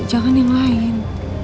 jangan yang lain